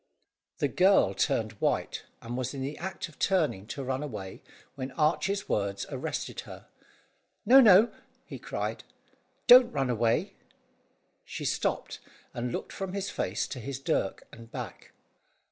The girl turned white, and was in the act of turning to run away, when Archy's words arrested her. "No, no," he cried, "don't run away." She stopped, and looked from his face to his dirk, and back.